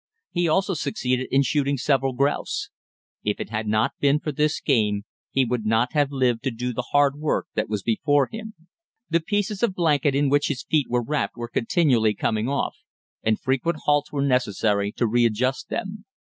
He also succeeded in shooting several grouse. If it had not been for this game, he would not have lived to do the hard work that was before him. The pieces of blanket in which his feet were wrapped were continually coming off, and frequent halts were necessary to readjust them.